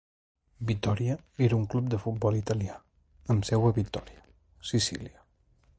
Vittoria era un club de futbol italià, amb seu a Vittoria, Sicília.